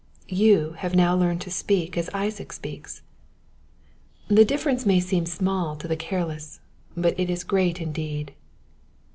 You have now learned to speak as Isaac speaks. The difference may seem small to the careless, but it is great indeed.